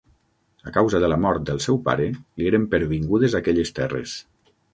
A causa de la mort del seu pare li eren pervingudes aquelles terres.